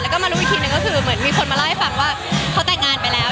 แล้วก็มารู้อีกทีนึงก็คือเหมือนมีคนมาเล่าให้ฟังว่าเขาแต่งงานไปแล้ว